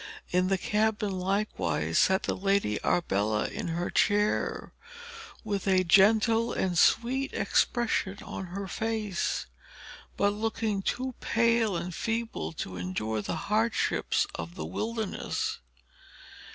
In the cabin, likewise, sat the Lady Arbella in her chair, with a gentle and sweet expression on her face, but looking too pale and feeble to endure the hardships of the wilderness.